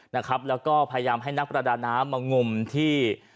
นะครับแล้วก็พยายามให้นักประดาน้ำมางมที่